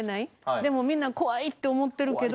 でもみんなこわいって思ってるけど。